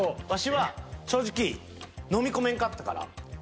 ワシは正直飲み込めんかったから。